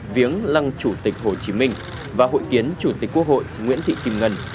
viếng lăng chủ tịch hồ chí minh và hội kiến chủ tịch quốc hội nguyễn thị kim ngân